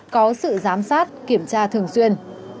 có sự giám sát kiểm tra thường xuyên